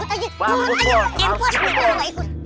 udah ikut aja